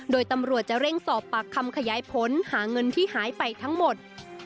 โดยตำรวจจะเร่งสอบปากคำขยายผลหาเงินที่หายไปทั้งหมด